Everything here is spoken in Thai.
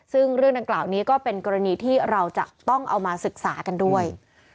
ซึ่งเรื่องดังกล่าวนี้ก็เป็นกรณีที่เราจะต้องเอามาศึกษากันด้วย